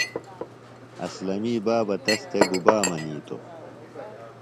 اسلمی بابہ تس تھےۡ گُبا منِیتوۡ؟